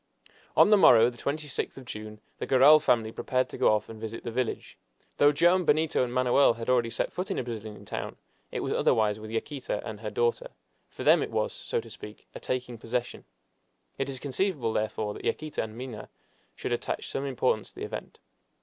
On the morrow, the 26th of June, the Garral family prepared to go off and visit the village. Though Joam, Benito, and Manoel had already set foot in a Brazilian town, it was otherwise with Yaquita and her daughter; for them it was, so to speak, a taking possession. It is conceivable, therefore, that Yaquita and Minha should attach some importance to the event.